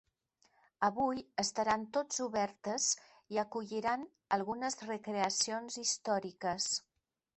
Avui estaran tots obertes i acolliran algunes recreacions històriques.